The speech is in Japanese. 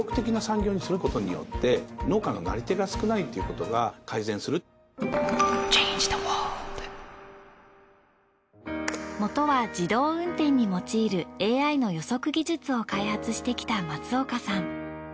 その名も開発したのはもとは自動運転に用いるＡＩの予測技術を開発してきた松岡さん。